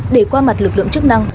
để qua mặt lực lượng chức năng